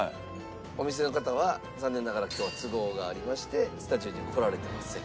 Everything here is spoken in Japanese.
お店の方は残念ながら今日は都合がありましてスタジオには来られてません。